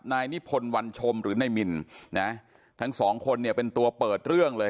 นายนิพนธ์วันชมหรือนายมินนะทั้งสองคนเนี่ยเป็นตัวเปิดเรื่องเลย